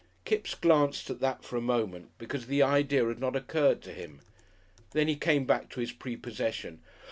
Kipps glanced at that for a moment, because the idea had not occurred to him. Then he came back to his prepossession.